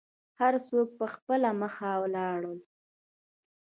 هر څوک په خپله مخه ولاړل.